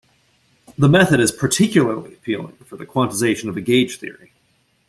The method is particularly appealing for the quantization of a gauge theory.